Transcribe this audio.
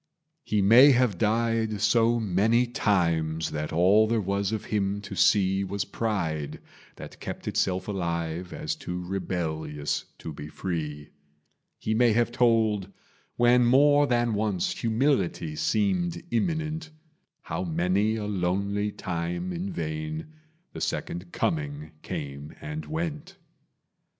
He may have died so many times That all there was of him to see Was pride, that kept itself alive As too rebellious to be free; He may have told, when more than once Humility seemed imminent, How many a lonely time in vain The Second Coming came and went.